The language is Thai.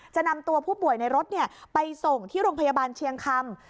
จะนำตัวผู้ป่วยในรถไปส่งที่โรงพยาบาลเชียงคำ